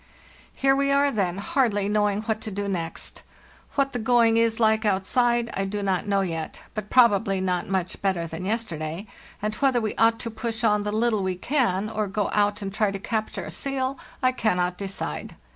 " Here we are, then, hardly knowing what to do next. What the going is like outside I do not know yet, but probably not much better than yesterday, and whether we ought to push on the little we can, or go out and try to capture a seal, I cannot decide.